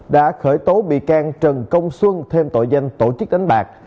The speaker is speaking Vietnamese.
đã khởi tố bị can trần công xuân thêm tội danh tổ chức đánh bạc